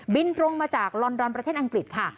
ตรงมาจากลอนดอนประเทศอังกฤษค่ะ